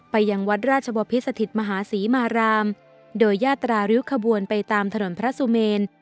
ยังวัดราชบพิสถิตมหาศรีมารามโดยยาตราริ้วขบวนไปตามถนนพระสุเมน